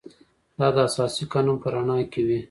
دا د اساسي قانون په رڼا کې وي.